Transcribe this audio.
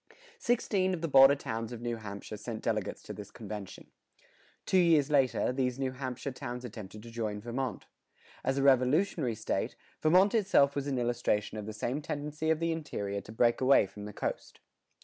Sixteen of the border towns of New Hampshire sent delegates to this convention. Two years later, these New Hampshire towns attempted to join Vermont.[111:1] As a Revolutionary State, Vermont itself was an illustration of the same tendency of the interior to break away from the coast.